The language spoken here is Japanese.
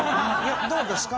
どうですか？